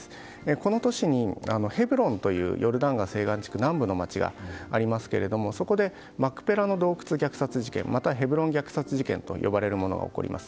この年に、ヘブロンというヨルダン川西岸地区南部の街がありますけれどもそこでマクペラの洞窟虐殺事件またはヘブロン虐殺事件と呼ばれるものが起こります。